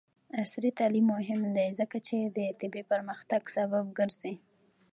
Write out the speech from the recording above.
عصري تعلیم مهم دی ځکه چې د طبي پرمختګ سبب ګرځي.